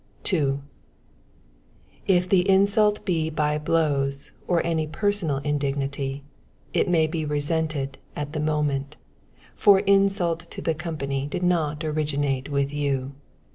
2. If the insult be by blows or any personal indignity, it may be resented at the moment, for the insult to the company did not originate with you.